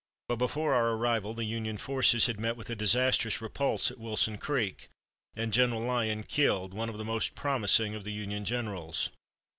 But before our arrival the Union forces had met with a disastrous repulse at Wilson Creek, and General Lyon killed, one of the most promising of the Union generals.